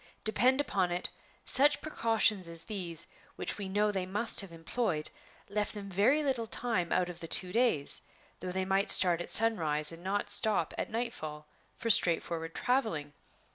Depend upon it, such precautions as these (which we know they must have employed) left them very little time out of the two days though they might start at sunrise and not stop at night fall for straightforward traveling.